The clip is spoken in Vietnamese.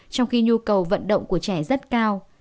trong khi nhu cầu vận động của trẻ rất cao